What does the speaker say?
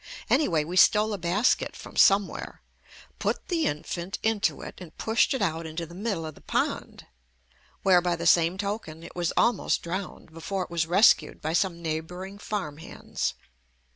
Any way we stole a basket from somewhere, put the infant into it and pushed it out into the middle jf the pond, where, by the same token, it was almost drowned before it was rescued by some neighboring farm hands.